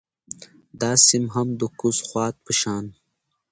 دا سیمه هم د کوز خوات په شان